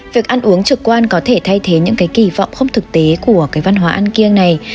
việc ăn uống trực quan có thể thay thế những cái kỳ vọng không thực tế của cái văn hóa ăn kiêng này